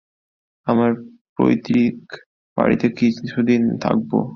আপনার পৈতৃক বাড়িতে কিছুদিন তাকব।